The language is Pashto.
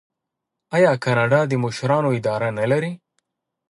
آیا کاناډا د مشرانو اداره نلري؟